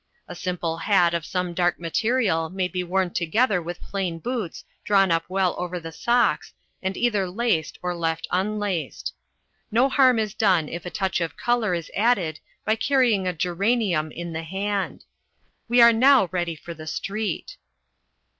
A simple hat of some dark material may be worn together with plain boots drawn up well over the socks and either laced or left unlaced. No harm is done if a touch of colour is added by carrying a geranium in the hand. We are now ready for the street.